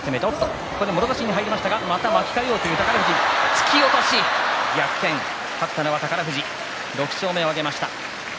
突き落とし、逆転勝ったのは宝富士６勝目を挙げました。